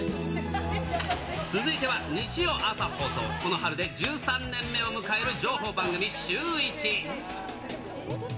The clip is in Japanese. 続いては、日曜朝放送、この春で１３年目を迎える情報番組、シューイチ。